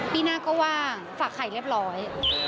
ปีหน้าก็ว่างฝากไข่เรียบร้อย